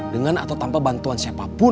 dengan atau tanpa bantuan siapapun